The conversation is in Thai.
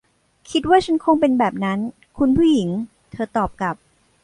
คิดว่าฉันคงเป็นแบบนั้น คุณผู้หญิง เธอตอบกลับ